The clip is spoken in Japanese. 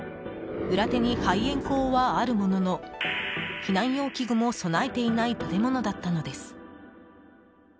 裏手に排煙口はあるものの避難用器具も備えていない建物だったのです。